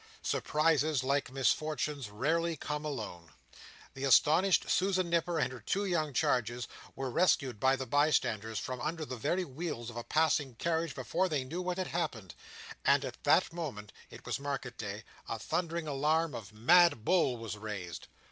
Surprises, like misfortunes, rarely come alone. The astonished Susan Nipper and her two young charges were rescued by the bystanders from under the very wheels of a passing carriage before they knew what had happened; and at that moment (it was market day) a thundering alarm of "Mad Bull!" was raised.